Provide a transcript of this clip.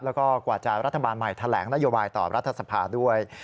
แล้วก็กว่าจะรัฐบาลใหม่แถลงนโยบายต่อรัฐสภาด้วย